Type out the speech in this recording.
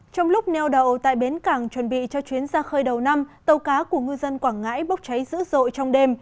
trong lúc neo đậu tại bến cảng chuẩn bị cho chuyến ra khơi đầu năm tàu cá của ngư dân quảng ngãi bốc cháy dữ dội trong đêm